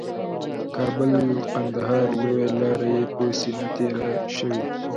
کابل قندهار لویه لاره یې په سینه تېره شوې